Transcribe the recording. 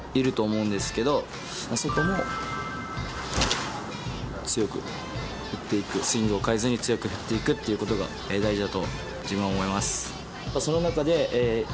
そこも強く振っていくスイングを変えず強く振っていくってことが大事だと自分は思います。